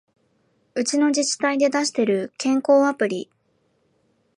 うちの自治体で出してる健康アプリ